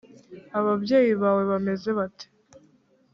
ababyeyi bawe bameze bate?